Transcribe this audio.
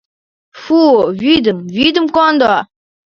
— Фу-у, вӱдым, вӱдым кондо!